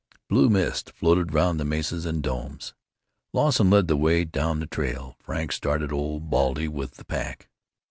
Blue mist floated round the mesas and domes. Lawson led the way down the trail. Frank started Old Baldy with the pack.